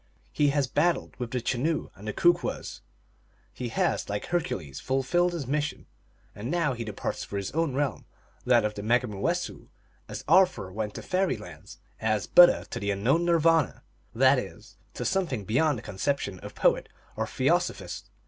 He has battled with the Chenoo and Kookwess ; he has, like Hercules, fulfilled his mission ; and now he departs for his own realm, that of the Megumoowessoo, as Arthur went to Fairy Land, as Buddha to the unknown Nirvana, that is, to something beyond the conception of poet or theosophist.